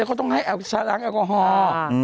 แล้วเขาต้องให้ชาลังแอลกอฮอล์